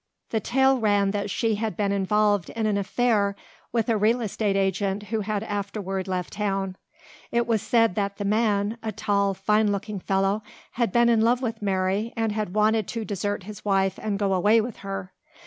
The tale ran that she had been involved in an affair with a real estate agent who had afterward left town. It was said that the man, a tall, fine looking fellow, had been in love with Mary and had wanted to desert his wife and go away with her.